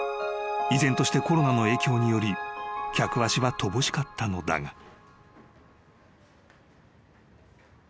［依然としてコロナの影響により客足は乏しかったのだが］